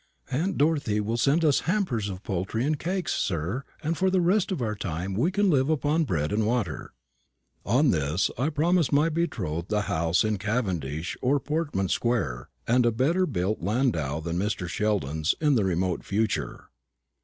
"Aunt Dorothy will send us hampers of poultry and cakes, sir, and for the rest of our time we can live upon bread and water." On this I promised my betrothed a house in Cavendish or Portman square, and a better built landau than Mr. Sheldon's, in the remote future.